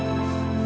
ya makasih ya